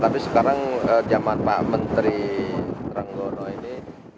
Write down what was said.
tapi sekarang zaman pak menteri ranggono ini